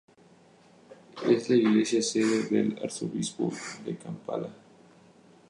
Es la iglesia sede del arzobispo de Kampala.